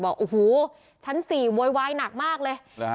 บอกชั้น๔โวยวายหนักมากเลย